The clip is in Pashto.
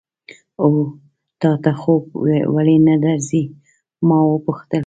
هو، تا ته خوب ولې نه درځي؟ ما وپوښتل.